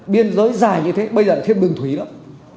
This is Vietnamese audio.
biên giới dài như thế bây giờ là thiên bương thúy lắm